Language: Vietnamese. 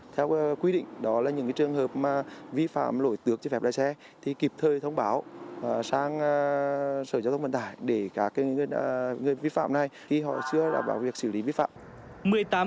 theo quy định đó là những trường hợp mà vi phạm lỗi tước trên phép đai xe thì kịp thời thông báo sang sở giao thông vận tải để cả cái người vi phạm này khi họ chưa đảm bảo việc xử lý vi phạm